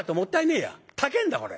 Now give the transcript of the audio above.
高えんだこれ。